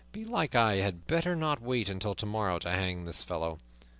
Belike I had better not wait until tomorrow to hang the fellow."